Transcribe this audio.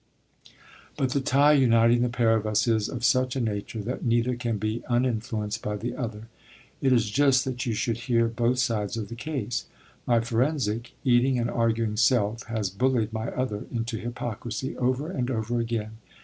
But the tie uniting the pair of us is of such a nature that neither can be uninfluenced by the other. It is just that you should hear both sides of the case. My forensic, eating and arguing self has bullied my other into hypocrisy over and over again.